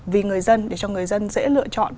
vì người dân để cho người dân dễ lựa chọn